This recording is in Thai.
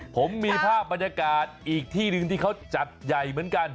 ผมมีภาพบรรยากาศอีกที่หนึ่งที่เขาจัดใหญ่เหมือนกัน